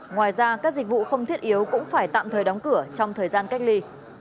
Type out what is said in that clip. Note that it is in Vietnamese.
ngoài ra các dịch vụ không thiết yếu cũng phải tạm thời đóng cửa trong thời gian cách ly